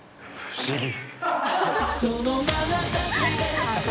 不思議！